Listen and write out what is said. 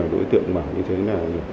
đối tượng bảo như thế là